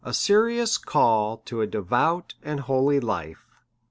SERIOUS CALL TO A DEVOUT AND HOLY LIFE.